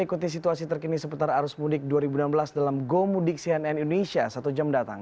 ikuti situasi terkini seputar arus muntik dua ribu enam belas dalam go muntik cnn indonesia setul thunder datang